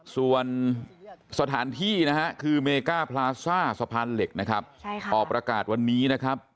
ส่วนสถานที่นะฮะคือเมก้าพลาซ่าสะพานเหล็กนะครับออกประกาศวันนี้นะครับ